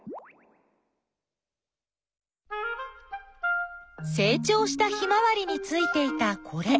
せい長したヒマワリについていたこれなんだろう？